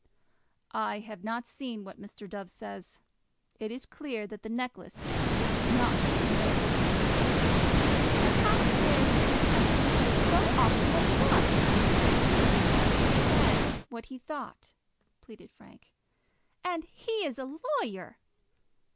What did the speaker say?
"I have not seen what Mr. Dove says. It is clear that the necklace is not an heirloom." "Then how dare Mr. Camperdown say so often that it was?" "He said what he thought," pleaded Frank. "And he is a lawyer!"